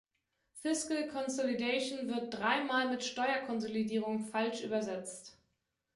Fiscal consolidation wird dreimal mit "Steuerkonsolidierung" falsch übersetzt.